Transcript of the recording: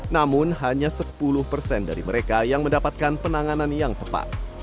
namun hanya sepuluh persen dari mereka yang mendapatkan penanganan yang tepat